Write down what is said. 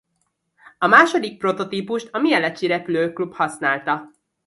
A második prototípust a mieleci repülőklub használta.